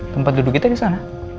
tempat duduk kita disana